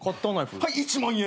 はい１万円。